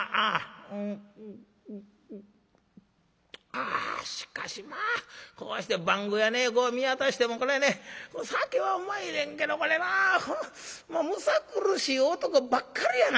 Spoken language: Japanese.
「あしかしまあこうして番小屋見渡してもこれね酒はうまいねんけどこれまあむさ苦しい男ばっかりやな